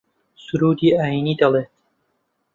سروودی ئایینی دەڵێت